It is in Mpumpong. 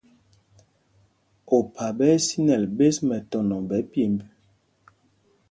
Opha ɓɛ́ ɛ́ sínɛl ɓēs mɛtɔnɔ ɓɛ̌ pyêmb.